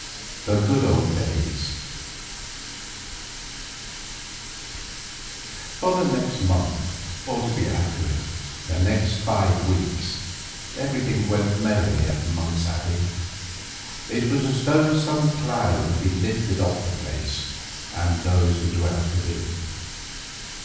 THE GOOD DAYS For the next month, or, to be accurate, the next five weeks, everything went merrily at Monk's Abbey. It was as though some cloud had been lifted off the place and those who dwelt therein.